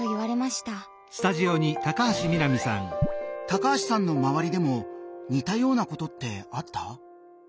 高橋さんの周りでも似たようなことってあった？